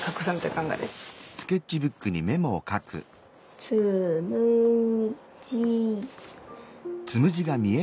つむじ。